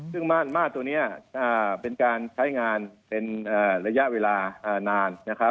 ซึ่งมาร์ดตัวนี้เป็นการใช้งานเป็นระยะเวลานาน